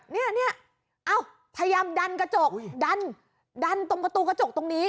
เนี่ยเอ้าพยายามดันกระจกดันดันตรงประตูกระจกตรงนี้